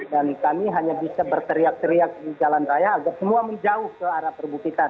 dan kami hanya bisa berteriak teriak di jalan raya agar semua menjauh ke arah perbukitan